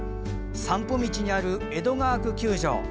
散歩道にある江戸川区球場。